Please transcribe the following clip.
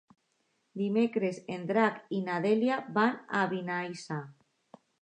Dimecres en Drac i na Dèlia van a Vinaixa.